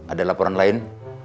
ada laporan lain